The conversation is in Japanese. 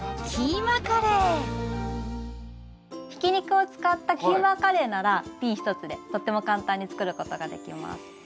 ひき肉を使ったキーマカレーならびん１つでとっても簡単に作ることができます。